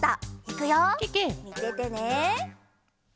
みててね。